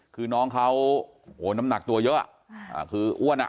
คือน้องเขาโอ้โหน้ำหนักตัวเยอะคืออ้วนอ่ะ